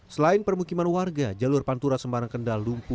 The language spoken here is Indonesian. selain permukiman warga jalur pantura semarang kendal lumpuh